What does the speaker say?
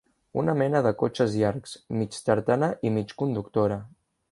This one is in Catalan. Una mena de cotxes llargs, mig tartana i mig conductora